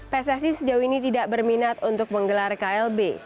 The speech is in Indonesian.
pssi sejauh ini tidak berminat untuk menggelar klb